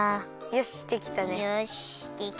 よしできた。